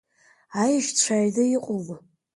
Аешьцәа аҩны иҟоума?